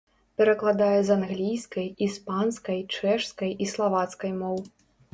Перакладае з англійскай, іспанскай, чэшскай і славацкай моў.